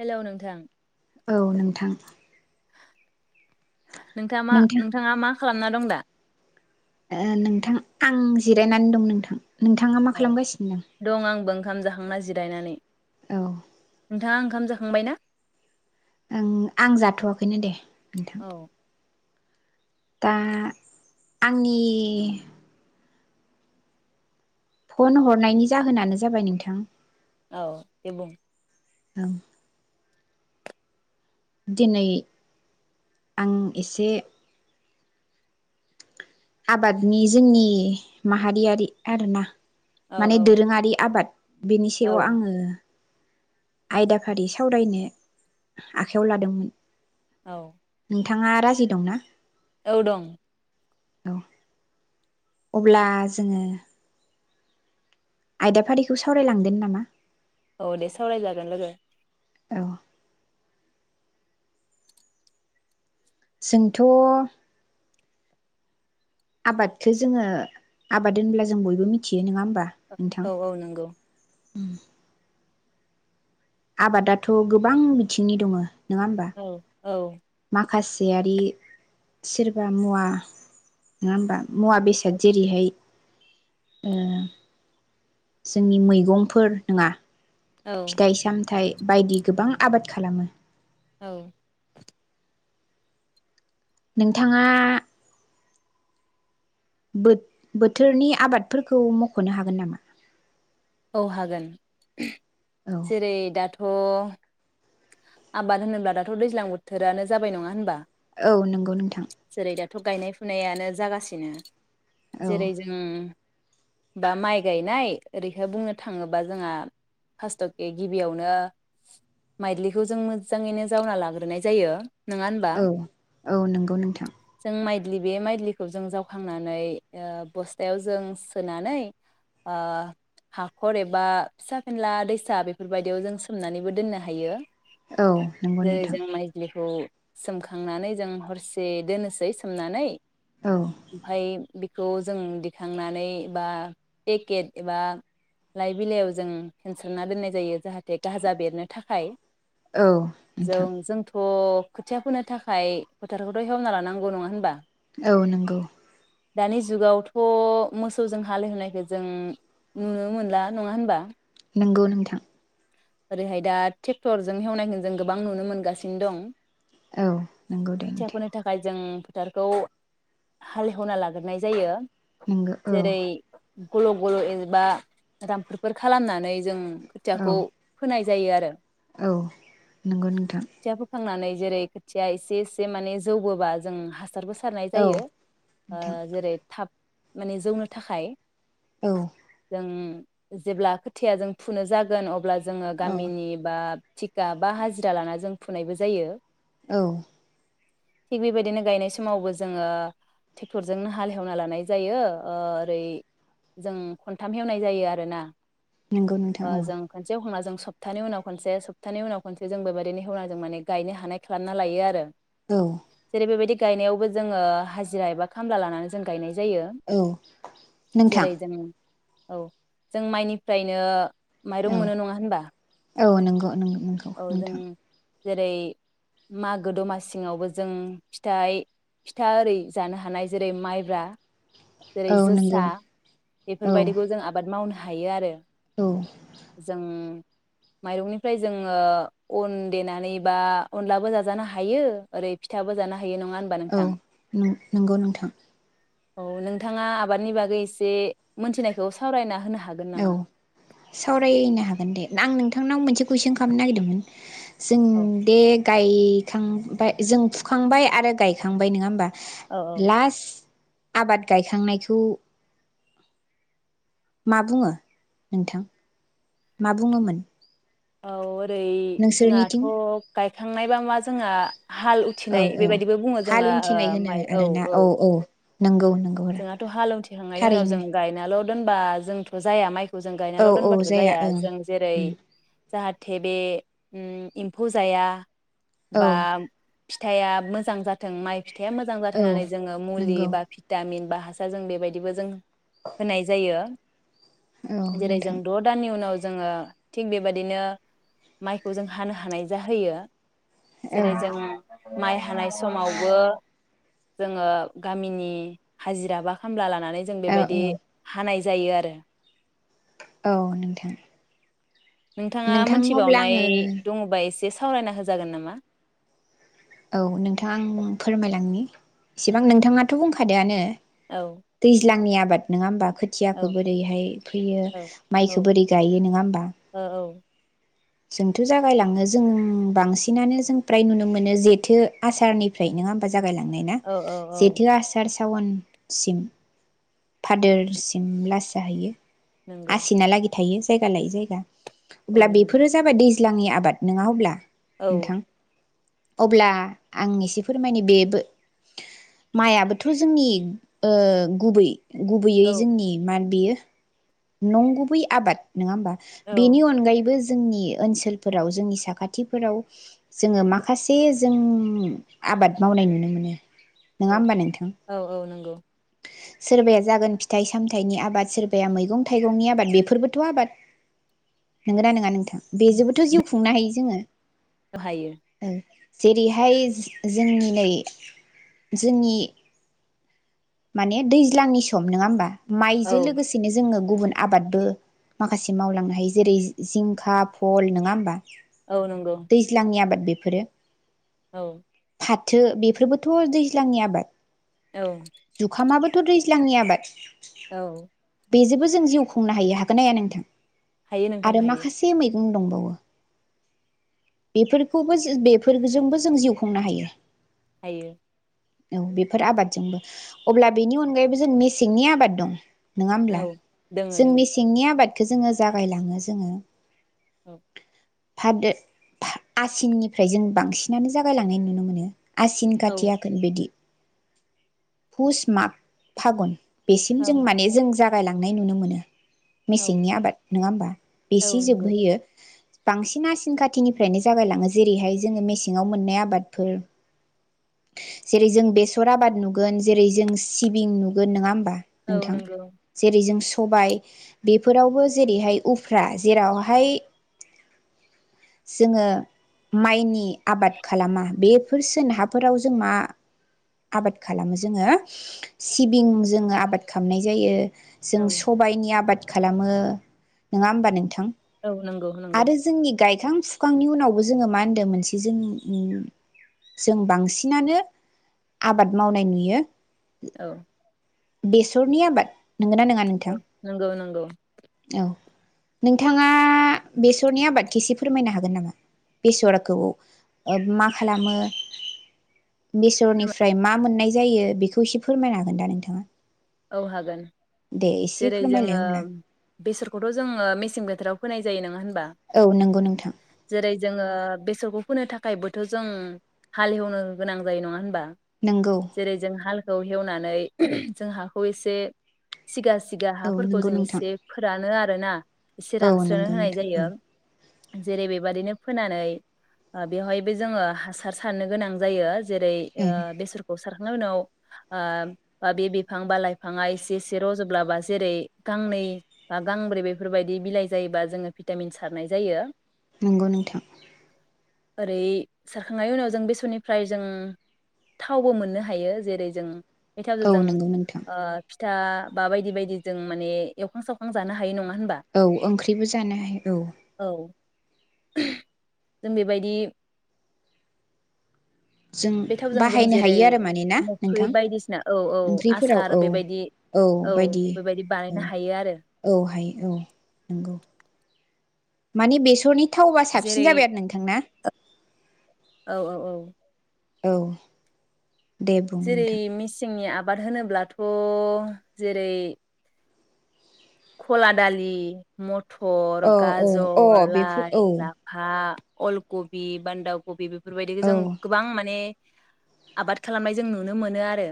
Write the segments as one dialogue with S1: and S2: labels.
S1: Hello नोंथां
S2: औ नोंथां
S1: नोंथाङा मा
S2: नोंथां
S1: नोंथाङा मा खालामना दं दा
S2: नोंथां आं जिरायनानै दं नोंथां नोंथाङा मा
S1: अ
S2: खालामगासिनो
S1: दं आंबो ओंखाम जाखांना जि- रायनानै
S2: औ
S1: नोंथाङा ओंखाम जाखांबाय ना
S2: ओ आं जाथ'वाखैनो दे नोंथां
S1: औ
S2: दा आंनि फन हरनायनि जाहोनानो जाबाय नोंथां
S1: औ दे बुं
S2: दं दिनै आं एसे आबादनि जोंनि माहारियारि आरोना
S1: औ
S2: माने दोरोङारि आबाद बेनि सायाव
S1: औ
S2: आङो आयदाफारि सावरायनो आखाइयाव लादोंमोन।
S1: औ
S2: नोंथाङा राजि दं ना
S1: औ दं
S2: औ अब्ला जोङो आयदाफारिखौ सावरायलांदों नामा
S1: औ दे सावरायजागोन लोगो।
S2: औ जोंथ' आबादखौ जोङो आबाद होनब्ला जों बयबो मिथियो नङा होम
S1: औ औ नंगौ
S2: उ आबादाथ' गोबां बिथिंनि दङ नङा होमबा
S1: औ औ
S2: माखासेयारि सोरबा मुवा नङा होनबा मुवा बेसाद
S1: औ
S2: जेरैहाय जोंनि मैगंफोर नङा
S1: औ
S2: फिथाइ सामथायाइ। बायदि गोबां आबाद खालामो।
S1: औ।
S2: नोंथाङा। बोथ बोथोरनि आबादफोरखौ मख'नो हागोन नामा
S1: औ हागोन
S2: औ
S1: जेरै दा थ' आबाद होनोब्ला दाथ' दैज्लां बोथोरानो जाबाय नङा होनबा
S2: औ नंगौ नोंथां।
S1: थ' गायनाय फुनायानो जागासिनो
S2: औ
S1: जेरै जों बा माइ गायनाय ओरै बुंनो थाङोबा जोंहा फार्स्टके गिबियावनो माइलिखौ जों मोजाङैनो जावना लाग्रोनाय जायो नङा होनबा
S2: औ औ नंगौ नोंथां
S1: जों माइद्लि बे माइलिखौ जों जावखांनानै ओ बस्थायाव जों सोनानै ओ हाखर एबा फिसा फेनला दैसा बेफोरबायदियाव जों सोमनानैबो दोननो हायो
S2: औ नंगौ नोंथां
S1: खौ सोमखांनानै जों हरसे दोननोसै सोमनानै
S2: औ
S1: ओमफफ्राय बे खौ जों दिखांनानै बा पेकेट एबा लाइ बिलाइयाव जों फेनसारना दोननाय जायो जाहाथे गाजा बेरनो थाखाय
S2: औ नोंथां।
S1: थ' खोथिया फोनो थाखाय फोटारखौथ' एवना लानांगौ नङा होनबा
S2: औ नंगौ।
S1: दानि जुगावथ' मोसौजों हाल एवहोनायखौ जों नुनो मोनला नङा होनबा।
S2: नंगौ नोंथां।
S1: ओरैहाय दा ट्रेक्टरजों हेवनायखौ जों गोबां नुनो मोनगासिनो दं।
S2: औ नंगौ दे
S1: खोथिया
S2: दे।
S1: फोनो थाखाय जों फोथारखौ हालेवना लाग्रोनाय जायो।
S2: नोंगौ औ।
S1: जेरै गल गल एबा दामफोर खालामनानै जों खोथियाखौ
S2: औ
S1: फोनाय जायो आरो।
S2: औ नंगौ नोंथां।
S1: खोथिया फोखांनानै जेरै खोथिया एसे एसे माने जौबोबा जों हासारबो सारनाय
S2: औ
S1: जायो ओ
S2: नोंथां
S1: जेरै थाब माने जौनो थाखाय
S2: औ।
S1: ओम जेब्ला खोथाया जों फुनो जागोन अब्ला। जोङो
S2: औ
S1: गामिनि बा थिखा बा हाजिरा लाना जों फुनायबो जायो।
S2: औ।
S1: थिग बेबायदिनो गायनाय समावबो जोङो ट्रेक्टरजोंनो हाल हेवना लानाय जायो ओ ओरै जों खनथाम हेवनाय जायो आरोना!
S2: नंगौ नोंथां औ।
S1: दखाजों सप्तानि उनाव खनसे सप्तानि उनाव खनसे जों बेबायदिनो हेवनां जों माने गायनो हानाय खालामना लायो आरो।
S2: औ
S1: जेरै बे बेबायदि गायनायावबो जोङो हाजिरा एबा खामला लानानै जों गायनाय जायो।
S2: औ नोंथां।
S1: जेरै जों औ जों माइनिफ्रायनो माइरं
S2: औ
S1: मोनो नङा होनबा
S2: औ नंगौ नंगौ नोंगौ
S1: औ जों
S2: नोंथां।
S1: जेरै मागो दमासिङावबो जों फिथाय फिथा ओरै जानो हानाय जेरै माइब्रा जेरै
S2: औ नंगौ
S1: जोसा
S2: औ
S1: बेफोरबायदिखौ जों आबाद मावनो हायो। हायो आरो।
S2: औ।
S1: जों माइरंनिफ्राय जोङो अन देनानै बा अनलाबो जाजानो हायो ओरै फिथाबो जानो हायो। नङा होनबा
S2: औ
S1: नोंथां
S2: नों नंगौ नोंथां।
S1: औ नोंथाङा आबादनि बागै एसे मोनथिनायखौ सावरायना होनो हागोन।
S2: औ
S1: नामा?
S2: सावरायना। हागोन दे आं नोंथांनाव मोनसे कुइसन खालामनो नागिरदोंमोन। जों
S1: औ
S2: दे गायखांबाय जों फुखांबाय आरो गायखांबाय नङा होमबा।
S1: औ
S2: लास आबाद गायखांनायखौ माबुङो नोंथां माबुङोमोन?
S1: [unintelligible] [unintelligible] जोंहाथ' गायखांनायबा मा जोंहा हाल
S2: औ
S1: उथिनाय
S2: औ
S1: बेबायदिबो बुङो
S2: हाल
S1: जोङो माइ औ -औ।
S2: नोंगौ।
S1: जोंहाथ' हाल उथिखांनायनि उनाव जों गायनाल दोनबा जोंथ' जाया माइखौ जों
S2: औ
S1: गायनाल
S2: औ
S1: दोनबाथ' जाया
S2: ओं
S1: जों जेरै
S2: उम
S1: जाहाथे बे उम एम्फौ जाया।
S2: औ
S1: बा फिथाइया मोजां जाथों माइ [unintelligible] फिथाइया मोजांजाथो
S2: औ
S1: होननानै जोङो मुलि
S2: नंगौ
S1: बा [unintelligible] गामिन बा हासारजों बेबायदिबो जों। होनाय जायो।
S2: औ
S1: जेरै जों
S2: नोंथां
S1: द दाननि उनाव जोङो थिग बेबादिनो माइखौजों हानो हानाय जाहैयो।
S2: औ
S1: जेरै जोंङो माइ हानाय समावबो जोङो गामिनि हाजिरा बा खामला [unintelligible] [unintelligible] जों
S2: औ
S1: बेबायदि हानाय [unintelligible] जायो आरो।
S2: औ नोंथां।
S1: नोंथाङा
S2: नोंथां अब्ला
S1: मोनथिबावनाय
S2: आङो
S1: दङबा [unintelligible] बे सावरायना होजागोन नामा।
S2: औ नोंथां आं फोरमायलांनि
S1: औ
S2: इसिबां नोंथाङाथ' [unintelligible]
S1: औ
S2: [unintelligible] दैज्लांनिया [unintelligible] नोङा ओमबा।
S1: औ
S2: खोथियाखो बोरैहाय फोयो
S1: औ औ
S2: माइखो बोरै गायो नङा ओमबा।
S1: औ
S2: जोंथो जागायलाङो जों बांसिनानो जों प्राय नुनो मोनो जेथो आसारनिफ्राय नोङाओमबा [unintelligible] जायलांनायना
S1: औ औ औ
S2: जेथो आसारस सावनसिम फादोरसिम लास जाहैयो।
S1: नंगौ
S2: आसिनालागि थायो। जायगा लायौ जायगा।
S1: औ नंगौ।
S2: बेबादि दैज्लांनि आबाद नङा अब्ला।
S1: औ
S2: नोंथां। अब्ला आं एसे फोरमायनो बेबो माइयाबोथ' जोंनि ओ गुबै।
S1: औ
S2: गुबैयै जोंनि मार बियो। नंगुबै आबाद। नङा होमबा
S1: औ
S2: बेनि अनगायैबो। जोंनि ओनसोलफोराव जोंनि साखाथिफोराव जोङो माखासे जों आबाद मावनाय नुनो मोनो। नङा
S1: औ
S2: होमबा नोंथां
S1: औ औ नंगौ।
S2: सोरबाया जागोन फिथाइ सामथायाइनि आबाद सोरबाया मैगं। थाइगंनि आबाद बेफोरबोथ' आबाद नंगोना नङा नोंथां बेजोंबोथ' जिउ खुंनो हायो जोङो।
S1: अ हायो।
S2: औ जेरैहाय जो जोंनि नै जोंनि माने दैज्लांनि सम नङा होमबा। माइजो
S1: औ
S2: लोगोसेनो जोङो। गुबुन आबादबो माखासे मावलांनो हायो जेरै जिंखा फल नङा होमबा।
S1: औ नंगौ
S2: दैज्लांनि आबाद बे। बेफोरो।
S1: औ।
S2: फाथो बेफोरबोथ' दैज्लांनि आबाद।
S1: औ
S2: जुखामाबो। दाथ' दैज्लांनि आबाद।
S1: औ।
S2: बेजोबो। जों जिउ खुंनो हायो हागोन हाया नोंथां।
S1: हायो नोंथां
S2: आरो
S1: हायो
S2: माखासे मै बुं दंबावो बेफोरखौबो जों बेफोरजोंबो जों जिउ खुंनो हायो।
S1: हायो।
S2: औ बेफोर आबादजोंबो अब्ला बेनि अनगायैबो जों मेसेंनि आबाद दं। नङा
S1: औ
S2: होमब्ला।
S1: दोङो दोङो
S2: जोंनि सिंनि। आबादखो जोङो जागायलाङो जोङो।
S1: औ।
S2: भाद दो भा आसिननिफ्राय जों बांसिनानो जागायलांनाय नुनो मोनो। आसिन खाथि
S1: औ
S2: आघोन बिदि। भुज माग फागुन। बेसिम जों माने जों जा। [unintelligible] थांनाय नुनो मोनो
S1: औ
S2: मेसेंनि आबाद नङा होमबा
S1: औ
S2: बेसे
S1: नंगौ
S2: जोबहयो बांसिन आसिन खाथिनिफ्रायनो जागायलाङो जेरैहाय जोङो मेसेङाव मोननाय आबादफोर जेरै जों बेसर आबाद नुगोन जेरै जों सिबिं नुगोन नङा होमबा
S1: औ
S2: नोंथां
S1: नंगौ
S2: जेरै जों सबाय बेफोरावबो जेरैहाय उफ्रा जेरावहाय जोङो माइनि आबाद खालामा बेफोर सोरोन हाफोराव जों मा आबाद खालामो जोङो सिबिं जोङो आबाद खालामनाय जायो जों
S1: औ
S2: सबायनि आबाद खालामो नङा होमबा नोंथां
S1: औ नंगौ नंगौ
S2: आरो [unintelligible] फुखांनि उनावबो जोङो मा होन्दों मोनसे जों जों बांसिनानो आबाद मावनाय नुयो
S1: औ
S2: बेसरनि आबाद नंगौना नङा नोंथां
S1: नंगौ नंगौ
S2: औ नोंथाङा बेसरनि आबादखिसे फोरमायनो हागोन नामा बेसरखौ मा खालामो बेसरनिफ्राय मा मोननाय जायो बेखौ एसे फोरमायनो हागोन दा नोंथाङा
S1: औ हागोन
S2: दे एसे
S1: जेरै
S2: फोरमायलाय
S1: जोङो
S2: अब्ला
S1: बेसरखौथ' जोङो मेसें बोथोराव होनाय जायो नङा होन
S2: औ नंगौ नोंथां
S1: जोङो बेसरखौ फोनो थाखायबोथ' जों हालेवनो गोनां जायो नङा होनबा
S2: नंगौ
S1: जेरै जों हाल हेवनानै [unintelligible] जोंहा [unintelligible] सिगां [unintelligible] बिगा
S2: औ
S1: हाफोरखौ
S2: नंगौ
S1: जों
S2: नोंथां
S1: इसे फोरानो आरो आरो ना एसे
S2: औ
S1: रानस्रोनो
S2: नंगौ
S1: होनाय
S2: नोंथां औ
S1: जायो जेरै बेबादिनो फोनानै बेवहायबो जोङो हासार सारनो गोनां जायो जेरै ओ
S2: औ
S1: बेसोरखौ सार [unintelligible] उनाव ओ बे बिफां बिफां बा लाइफाङा एसे एसे रज'लाबा जेरै गांनै बा गांब्रै बेफोरबायदि बिलाइ जायोबा जोङो भिटामिन सारनाय जायो
S2: नंगौ नोंथां
S1: ओरै सारखांनायनि उनाव जों बेसरनिफ्राय जों थावबो मोननो हायो जेरै जों
S2: औ
S1: [unintelligible] जों
S2: नंगौ नोंथां
S1: ओ फिथा बा बायदि बायदि जों माने एवखां सावखां जानो हायो नङा होनबा
S2: औ ओंख्रिबो जानो हायो औ।
S1: जों बेबायदि
S2: जों
S1: बे थावजों जों
S2: बाहायनो
S1: जेरै
S2: हायो आरो माने ना नोंथां
S1: मोखै बायदिसिना औ औ
S2: ओंख्रिफोराव
S1: आसार
S2: औ
S1: बेबायदि
S2: -औ
S1: औ
S2: बायदि
S1: बेबायदि बानायनो
S2: औ
S1: हायो आरो
S2: -औ हायो औ नंगौ। माने बेसरनि थावबा
S1: जेरै
S2: साबसिन जाबाय आरो नोंथांना?
S1: औ- औ -औ।
S2: औ। दे बुं
S1: जेरै
S2: नोंथां
S1: -मिसिंनि आ बाद होनोब्लाथ' जेरै खला दालि म टर,
S2: औ औ अ
S1: गाजर,
S2: बेफोर
S1: लाइ
S2: औ
S1: -लाफा अलकबि, बान्दाकबि बेफोरबायदिखौ
S2: औ
S1: जों गोबां माने आबाद खालामनाय जों नुनो मोनो आरो।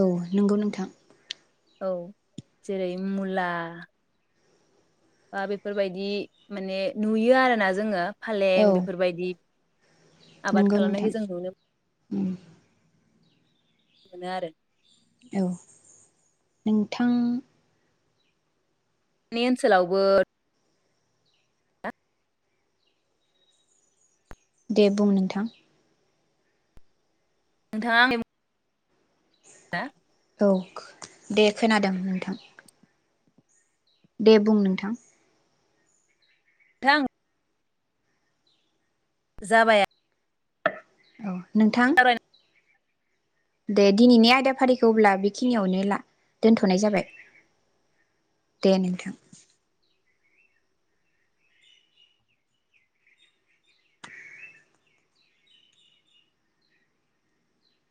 S2: औ नंगौ नोंथां।
S1: औ जेरै- मुला बा बेफोरबायदि माने नुयो आरोना जोङो।
S2: औ
S1: फालें बेफोरबायदि आबाद
S2: नंगौ
S1: खालामनायखौ
S2: नोंथां
S1: जों नुनो
S2: उम।
S1: मोनो आरो
S2: औ नोंथां
S1: नि ओनसोलावबो
S2: दे बुं नोंथां।
S1: नोंथाङा आंनि बुं हा
S2: औ दे खोनादों नोंथां। दे बुं नोंथां।
S1: नोंथां जाबाय
S2: औ। नोंथां? दे दिनैनि आयदाफारिखौ अब्ला बेखिनियावनो दोनथ'नाय जाबाय दे नोंथां।